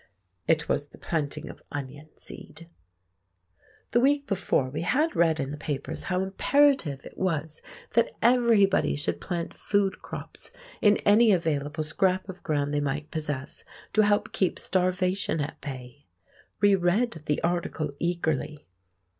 It was the planting of onion seed. The week before we had read in the papers how imperative it was that everybody should plant food crops in any available scrap of ground they might possess, to help keep starvation at bay. We read the article eagerly.